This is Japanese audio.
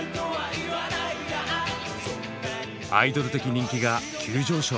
アイドル的人気が急上昇。